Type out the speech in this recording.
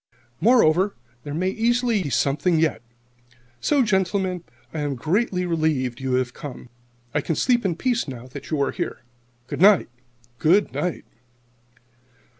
Moreover, there may easily be something yet. So, gentlemen, I am greatly relieved you have come. I can sleep in peace now that you are here. Good night! Good night!"